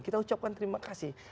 kita ucapkan terima kasih